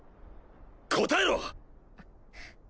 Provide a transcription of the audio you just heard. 答えろ！